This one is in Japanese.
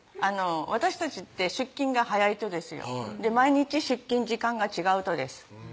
私たちって出勤が早いとですよ毎日出勤時間が違うとです